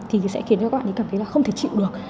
thì sẽ khiến cho các bạn cảm thấy là không thể chịu được